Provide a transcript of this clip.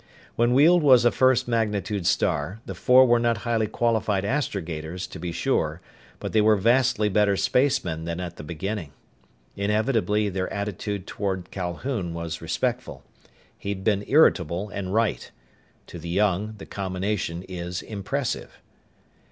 When Weald was a first magnitude star, the four were not highly qualified astrogators, to be sure, but they were vastly better spacemen than at the beginning. Inevitably, their attitude toward Calhoun was respectful. He'd been irritable and right. To the young, the combination is impressive.